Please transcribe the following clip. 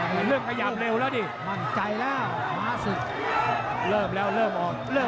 มันเริ่มพยายามเร็วเลย